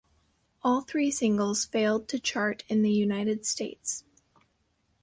All three singles failed to chart in the United States.